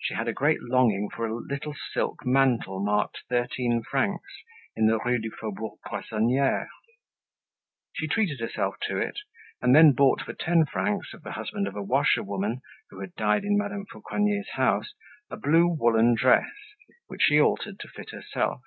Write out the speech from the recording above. She had a great longing for a little silk mantle marked thirteen francs in the Rue du Faubourg Poissonniere. She treated herself to it, and then bought for ten francs off the husband of a washerwoman who had died in Madame Fauconnier's house a blue woolen dress, which she altered to fit herself.